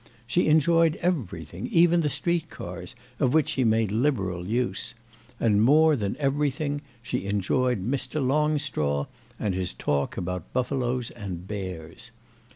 She enjoyed everything, even the street cars, of which she made liberal use; and more than everything she enjoyed Mr. Longstraw and his talk about buffaloes and bears.